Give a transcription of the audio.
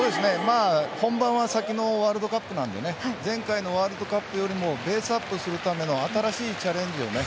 本番は先のワールドカップなので前回のワールドカップよりもベースアップするための新しいチャレンジを。